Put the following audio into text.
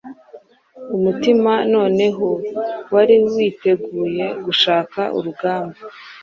Umutima noneho wari witeguye gushaka urugamba